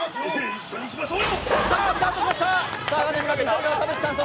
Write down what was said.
一緒に行きましょう。